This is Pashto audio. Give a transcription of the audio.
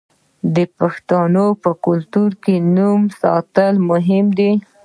د پښتنو په کلتور کې د نوم ساتل مهم دي.